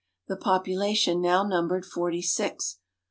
The population now numbered forty six.